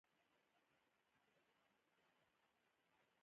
د بدۍ ځواب په نیکۍ ورکړه.